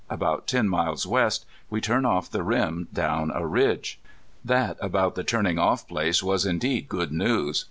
About ten miles west we turn off the rim down a ridge." That about the turning off place was indeed good news.